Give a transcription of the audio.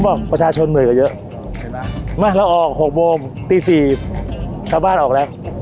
บอกประชาชนเหนื่อยกว่าเยอะใช่ไหมมาเราออก๖โมงตีสี่ชาวบ้านออกแล้ว